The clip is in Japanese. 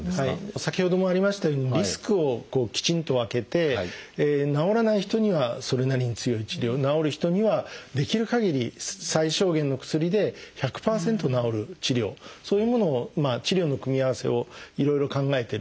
先ほどもありましたようにリスクをきちんと分けて治らない人にはそれなりに強い治療治る人にはできるかぎり最小限の薬で１００％治る治療そういうものを治療の組み合わせをいろいろ考えてる。